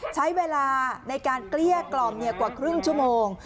ใช้เวลาในการเกลี้ยกล่อมกว่าครึ่งชั่วโมง